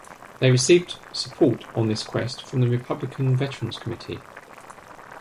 They received support on this quest from the Republican Veterans Committee.